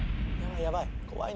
やばい。